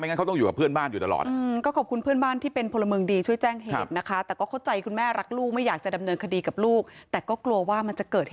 งั้นเขาต้องอยู่กับเพื่อนบ้านอยู่ตลอด